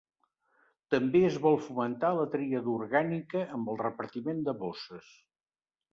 També es vol fomentar la tria d’orgànica amb el repartiment de bosses.